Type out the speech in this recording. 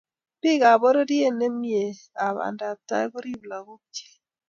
Bikap pororiet nemie ak bandaptai korib lagokchi